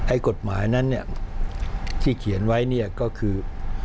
กฎหมายนั้นเนี่ยที่เขียนไว้เนี่ยก็คือ